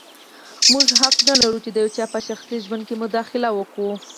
موږ حق نه لرو چې د یو چا په شخصي ژوند کې مداخله وکړو.